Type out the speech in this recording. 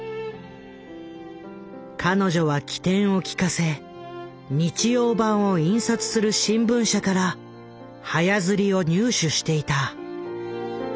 彼女は機転を利かせ日曜版を印刷する新聞社から早刷りを入手していた。